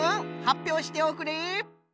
はっぴょうしておくれ。